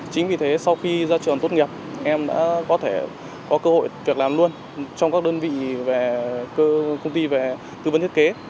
chính vì thế sau khi ra trường tốt nghiệp em đã có thể có cơ hội việc làm luôn trong các đơn vị về công ty về tư vấn thiết kế